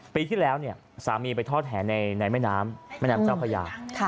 ปีที่แล้วสามีไปทอดแห่ในแม่น้ำเจ้าขยา